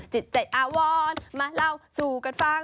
จิตใจอาวรมาเล่าสู่กันฟัง